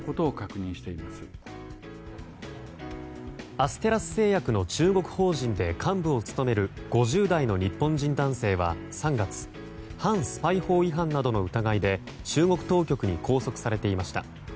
アステラス製薬の中国法人で、幹部を務める５０代の日本人男性は、３月反スパイ法違反など疑いで中国当局に拘束されていました。